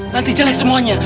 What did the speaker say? nanti jelek semuanya